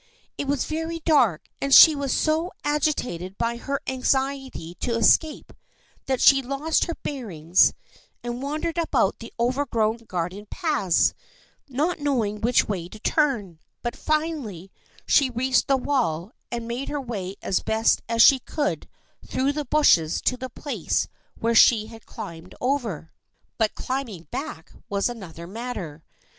It was very dark and she was so agitated by her anxiety to escape that she lost her bearings and wandered about the overgrown garden paths, not knowing which way to turn, but finally she reached the wall and made her way as best she could through the bushes to the place where she had climbed over. But climbing back was another matter.